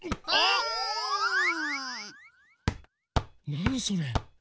なにそれ？